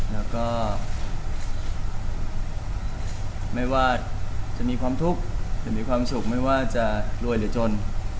แล้วก็ไม่ว่าจะมีความทุกข์หรือมีความสุขไม่ว่าจะรวยหรือจน